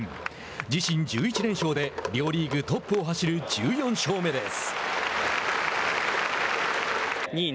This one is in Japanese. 自身１１連勝で両リーグトップを走る１４勝目です。